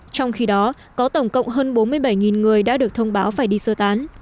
trong khi đó có tổng cộng hơn bốn mươi bảy người đã được thông báo phải đi sơ tán